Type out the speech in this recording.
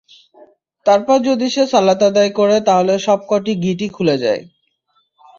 তারপর যদি সে সালাত আদায় করে তাহলে সবকটি গিটই খুলে যায়।